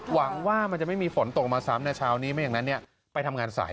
หวังว่ามันจะไม่มีฝนตกมาซ้ำในเช้านี้ไม่อย่างนั้นไปทำงานสาย